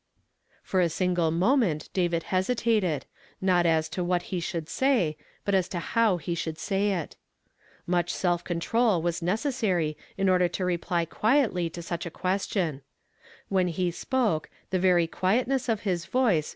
" For a single moment David hesitated ; not as to what he should say, but as to how he should say it. Much self control was necessary in order '^HEAR YE INDEED, BUT UNDERSTAND NOT." 119 >. to reply quietly to sucli a (question. When he spoke, the very quietness of his voice m.